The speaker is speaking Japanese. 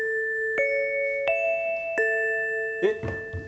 えっ？